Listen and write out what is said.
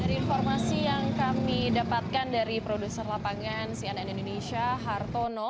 dari informasi yang kami dapatkan dari produser lapangan cnn indonesia hartono